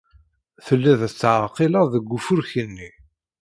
Telliḍ tettɛelliqeḍ deg ufurk-nni.